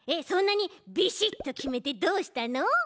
そんなにビシッときめてどうしたの？